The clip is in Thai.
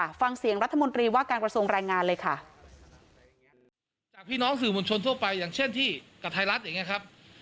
ความเสี่ยงรัฐมนตรีว่าการกระทรวงรายงานเลยค่ะ